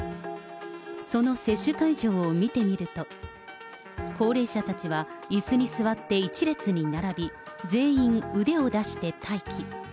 その接種会場を見てみると、高齢者たちはいすに座って１列に並び、全員、腕を出して待機。